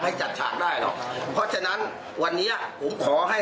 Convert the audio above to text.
แล้วท่านจะได้ข้อมูลความจริง